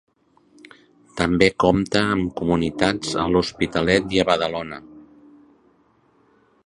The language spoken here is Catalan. També compta amb comunitats a l'Hospitalet i a Badalona.